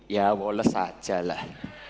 ya woles aja lah